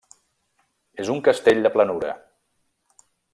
És un castell de planura.